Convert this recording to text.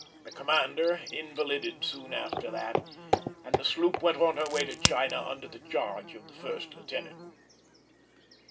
The commander invalided soon after, and the sloop went on her way to China under the charge of the first lieutenant.